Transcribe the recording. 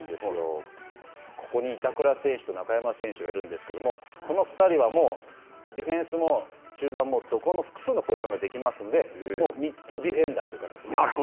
ここに板倉選手と中山選手がいるんですけれども、ディフェンスも中盤も複数のポジションができますのでもうミッドディフェンダーという感じで。